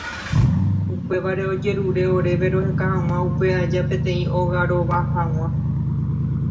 Upévare ojerure oréve roheka hag̃ua upe aja peteĩ óga rova hag̃ua.